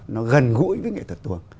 nó gần gũi với nghệ thuật tuồng